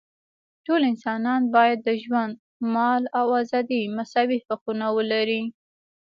ټول انسانان باید د ژوند، مال او ازادۍ مساوي حقونه ولري.